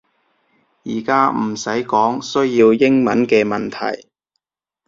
而家唔使講需要英文嘅問題